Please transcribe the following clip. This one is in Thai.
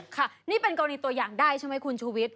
ค่ะนี่เป็นกรณีตัวอย่างได้ใช่ไหมคุณชูวิทย